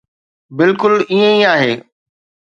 بلڪل ائين ئي آهي.